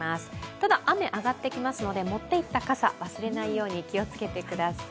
ただ、雨あがりますので持っていった傘、忘れないように気をつけてください。